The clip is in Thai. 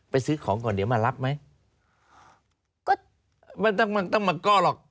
ซื้อของก่อนเดี๋ยวมารับไหมก็ไม่ต้องมันต้องมาก้อหรอก